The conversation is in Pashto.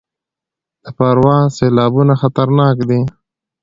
د پروان سیلابونه خطرناک دي